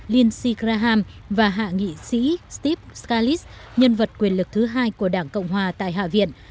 lindsey graham và hạ nghị sĩ steve scalise nhân vật quyền lực thứ hai của đảng cộng hòa tại hạ viện